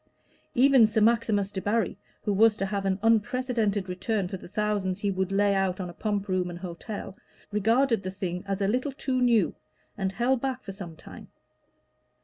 Even Sir Maximus Debarry, who was to have an unprecedented return for the thousands he would lay out on a pump room and hotel, regarded the thing as a little too new, and held back for some time.